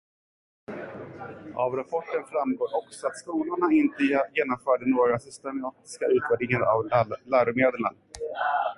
Av rapporten framgår också att skolorna inte genomförde några systematiska utvärderingar av läromedlen.